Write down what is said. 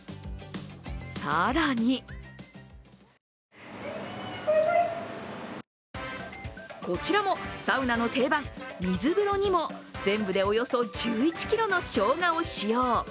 更にこちらもサウナの定番・水風呂にも、全部でおよそ１１ｋｇのしょうがを使用。